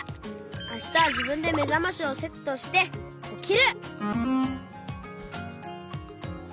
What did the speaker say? あしたはじぶんでめざましをセットしておきる！